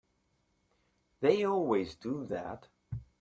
They always do that.